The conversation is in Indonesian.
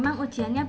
emang ujiannya bayar